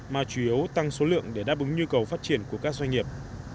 mà chủ yếu tăng số lượng để đáp ứng nhu cầu phát triển của các doanh nghiệp